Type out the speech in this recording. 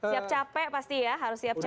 siap capek pasti ya